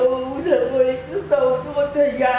giờ tôi lúc đầu tôi còn thuê nhà bên bình khai nữa